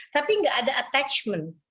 tapi gak ada attachment